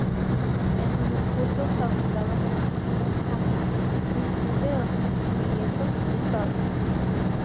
En sus discursos abundaban expresiones como "mis judíos", "mi gueto", "mis fábricas".